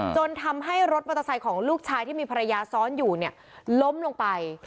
จนทำให้รถมอเตอร์ไซค์ของลูกชายที่มีภรรยาซ้อนอยู่เนี่ยล้มลงไป